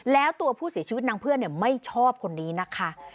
แล้วตัวผู้เสียชีวิตนางเพื่อนไม่ชอบคนนี้นะคะ